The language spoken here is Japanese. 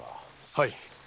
はい。